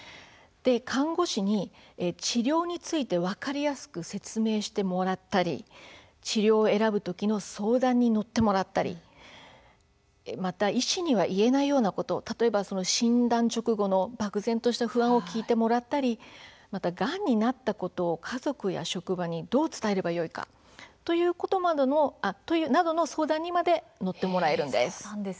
看護師に治療について分かりやすく説明してもらったり治療を選ぶ時の相談に乗ってもらったり医師には言えないようなこと例えば、診断直後の漠然とした不安を聞いてくれたりがんになったことを家族や職場にどう伝えればよいかなどの相談にまで乗ってもらえるんです。